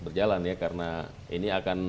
berjalan ya karena ini akan